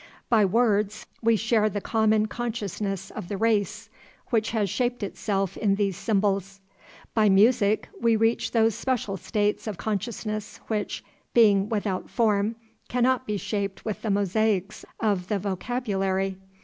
By words we share the common consciousness of the race, which has shaped itself in these symbols. By music we reach those special states of consciousness which, being without form, cannot be shaped with the mosaics of the vocabulary.